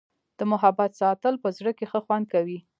د محبت ساتل په زړه کي ښه خوند کوي.